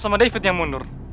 sama david yang mundur